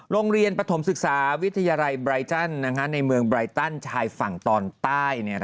โรงเรียนปฐมศึกษาวิทยาลัยไบรจันในเมืองไรตันชายฝั่งตอนใต้